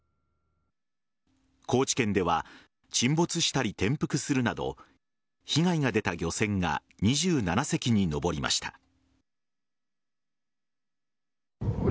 高知県では沈没したり転覆するなど被害が出た漁船が２７隻に上りました。